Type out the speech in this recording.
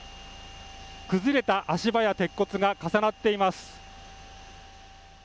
崩れた足場や鉄骨が重なっています。